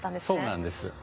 そうなんです。